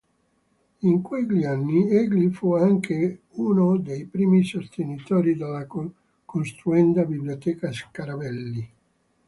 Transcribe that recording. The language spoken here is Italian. In quegli anni egli fu anche uno dei primi sostenitori della costruenda Biblioteca Scarabelli.